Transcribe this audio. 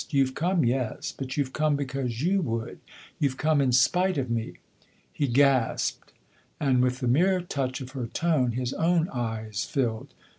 You've come yes; but you've come because you would. You've come in spite of me." He gasped, and with the mere touch of her tone his own eyes filled.